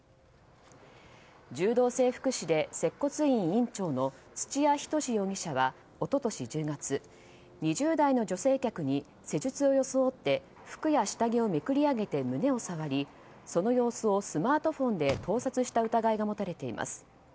柔道整復師で接骨院院長の土谷仁志容疑者は一昨年１０月、２０代の女性客に施術を装って服や下着をめくり上げて胸を触りその様子をスマートフォンで盗撮した疑いが持たれています。